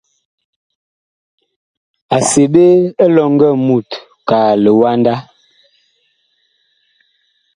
A seɓe elɔŋgɔ mut kaa liwanda.